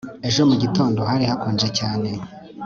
Ejo mu gitondo hari hakonje cyane